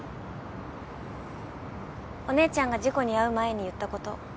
お姉ちゃんが事故に遭う前に言ったこと。